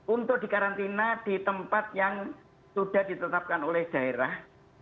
untuk dikarantina di tempat yang sudah ditetapkan oleh daerah